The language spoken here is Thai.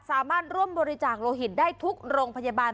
สามารถร่วมบริจาคโลหิตได้ทุกโรงพยาบาล